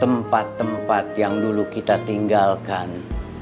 tempat tempat yang dulu kita tinggalkan